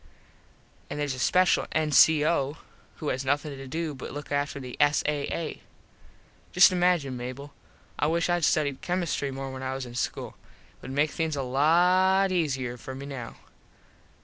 An theres a special N.C.O. who has nothin to do but look after the S.A.A. Just imagine, Mable. I wish Id studied chemistree more when I was in school. It would make things a lot easier for me now.